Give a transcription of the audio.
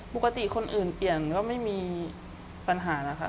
ปกติคนอื่นเปลี่ยนก็ไม่มีปัญหาแล้วค่ะ